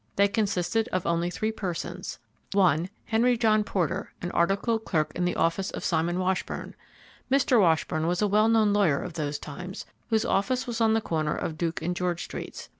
They consisted of only three persons: 1. Henry John Porter, an articled clerk in the office of Simon Washburn. Mr. Washburn was a well known lawyer of those times, whose office was on the corner of Duke and George streets.